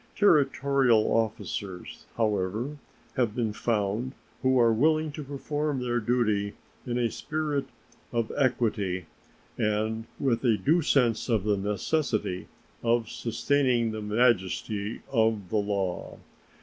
Territorial officers, however, have been found who are willing to perform their duty in a spirit of equity and with a due sense of the necessity of sustaining the majesty of the law.